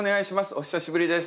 お久しぶりです。